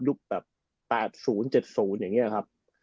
ยุคแบบ๘๐๗๐อย่างเงี้ยครับ